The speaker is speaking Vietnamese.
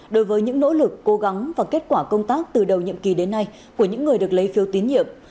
đối với những nỗ lực cố gắng và kết quả công tác từ đầu nhiệm kỳ đến nay của những người được lấy phiếu tín nhiệm